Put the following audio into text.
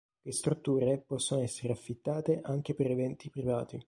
Le strutture possono essere affittate anche per eventi privati.